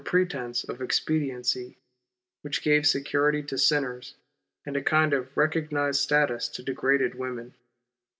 pretence of expediency, which gave security to sinners, and a kind of recognized status to degraded women.